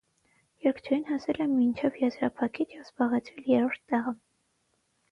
Երգչուհին հասել է մինչև եզրափակիչ և զբաղեցրել երրորդ տեղը։